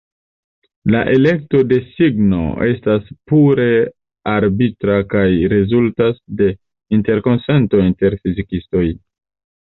La elekto de signo estas pure arbitra kaj rezultas de interkonsento inter fizikistoj.